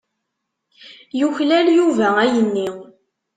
Yuklal Yuba ayenni.